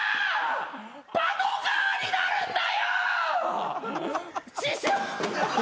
パトカーになるんだよ！